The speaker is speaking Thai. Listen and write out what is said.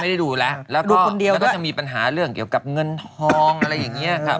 ได้ดูแล้วแล้วก็จะมีปัญหาเรื่องเกี่ยวกับเงินทองอะไรอย่างนี้ครับ